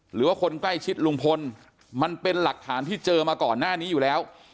หรือว่าคนใกล้ชิดลุงพลมันเป็นหลักฐานที่เจอมาก่อนหน้านี้อยู่แล้ว